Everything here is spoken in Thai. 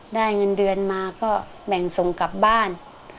ได้เงินเดือนมาก็แบ่งส่งกลับบ้าน